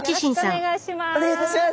お願いいたします。